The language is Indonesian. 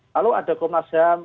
lalu ada kompolnas ham